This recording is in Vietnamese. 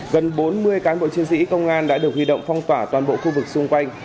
gần bốn mươi cán bộ chiến sĩ công an đã được huy động phong tỏa toàn bộ khu vực xung quanh